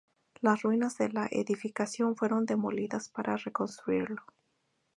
Las ruinas de la edificación fueron demolidas para reconstruirlo.